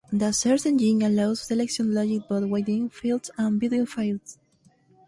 The search engine allows selection logic both within fields and between fields.